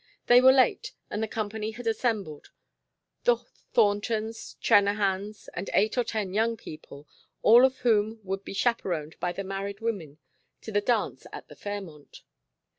They were late and the company had assembled: the Thorntons, Trennahans, and eight or ten young people, all of whom would be chaperoned by the married women to the dance at the Fairmont.